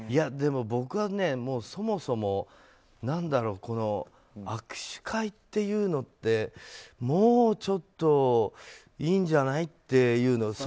でも僕は、そもそも握手会っていうのってもうちょっといいんじゃないっていうの。